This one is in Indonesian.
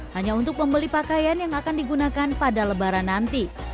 hanya untuk membeli pakaian yang akan digunakan pada lebaran nanti